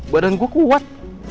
badan gua kuat